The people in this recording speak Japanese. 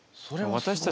私たち